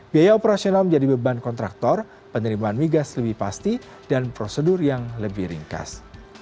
biaya operasional menjadi beban kontraktor penerimaan migas lebih pasti dan prosedur yang lebih ringkas